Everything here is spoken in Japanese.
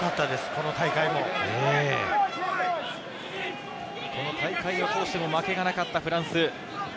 この大会を通しても負けがなかったフランス。